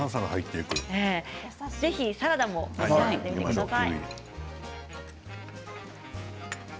ぜひサラダも召し上がってください。